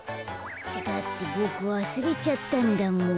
だってボクわすれちゃったんだもん。